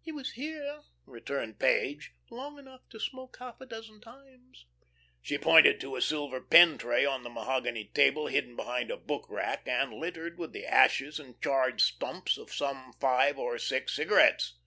"He was here," returned Page, "long enough to smoke half a dozen times." She pointed to a silver pen tray on the mahogany table, hidden behind a book rack and littered with the ashes and charred stumps of some five or six cigarettes.